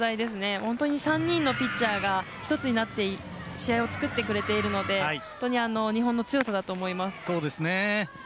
本当に３人のピッチャーが１つになって試合を作ってくれているので日本の強さだと思います。